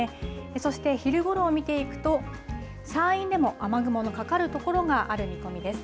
そして、昼ごろを見ていくと、山陰でも雨雲のかかる所がある見込みです。